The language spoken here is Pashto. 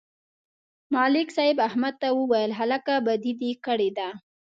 ملک صاحب احمد ته وویل: هلکه، بدي دې کړې ده.